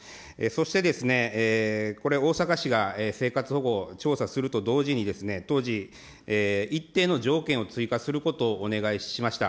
そしてですね、これ、大阪市が生活保護、調査すると同時に、当時、一定の条件を追加することをお願いしました。